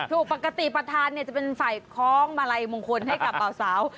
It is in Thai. ปกติประธานจะเป็นฝ่ายคล้องมาลัยมงคลให้กับเบาสาว